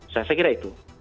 saya kira itu